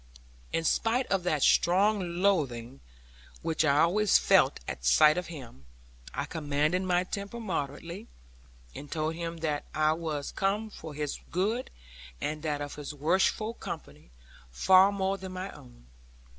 In spite of that strong loathing which I always felt at sight of him, I commanded my temper moderately, and told him that I was come for his good, and that of his worshipful company, far more than for my own.